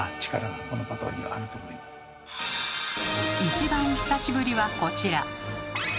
一番久しぶりはこちら。